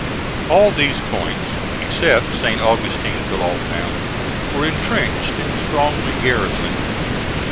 All these points, except St. Augustin Tlalpam, were intrenched and strongly garrisoned.